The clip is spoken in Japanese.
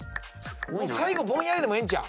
最後ぼんやりでもええんちゃう？